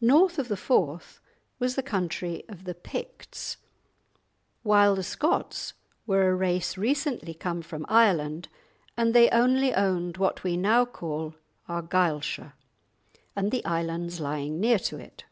North of the Forth was the country of the Picts; while the Scots were a race recently come from Ireland, and they only owned what we now call Argyleshire, and the islands lying near to it.